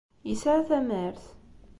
Yesɛa tamart.